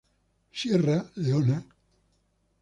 Sierra Leona